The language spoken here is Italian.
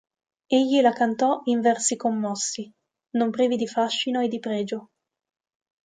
Egli la cantò in versi commossi, non privi di fascino e di pregio.